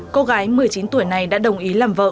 cô gái một mươi chín tuổi này đã đồng ý làm vợ